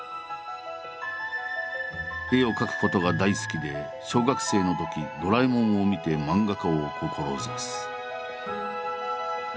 絵を描くことが大好きで小学生のとき「ドラえもん」を見て漫画家を志す。